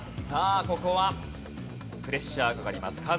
さあここはプレッシャーがかかります。